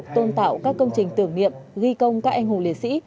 tôn tạo các công trình tưởng niệm ghi công các anh hùng liệt sĩ